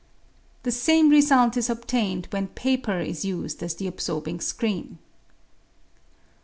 The same result is obtained when paper is used as the absorbing screen.